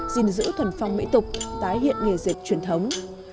gìn giữ thuần phong mỹ tục tái hiện nghề dệt truyền thống